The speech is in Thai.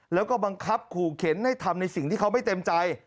แล้วก็บังคับขู่เข็นให้ทำในสิ่งที่เขาไม่เต็มใจ